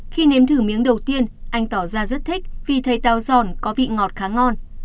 khi nếm thử miếng đầu tiên anh tỏ ra rất thích vì thấy tàu giòn có vị ngọt khá ngon